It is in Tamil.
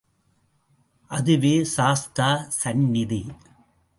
அதுவே சாஸ்தா சந்நிதி.